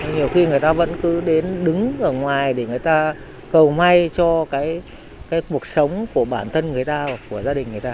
nhiều khi người ta vẫn cứ đến đứng ở ngoài để người ta cầu may cho cái cuộc sống của bản thân người ta của gia đình người ta